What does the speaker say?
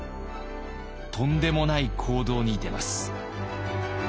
とんでもない行動に出ます。